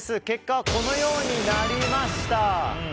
結果はこのようになりました。